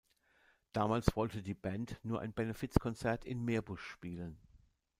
Damals wollte die Band nur ein Benefizkonzert in Meerbusch spielen.